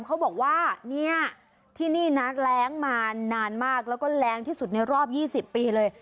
เขาบอกว่าเนี่ยที่นี่นะแรงมานานมากแล้วก็แรงที่สุดในรอบ๒๐ปีเลย